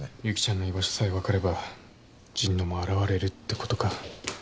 由岐ちゃんの居場所さえ分かれば神野も現れるってことか。